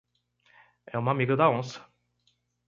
É uma amiga da onça